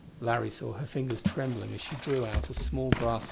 Larry saw her fingers trembling as she drew out a small brass cylinder.